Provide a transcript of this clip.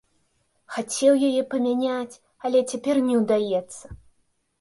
Хацеў яе памяняць, але цяпер не ўдаецца.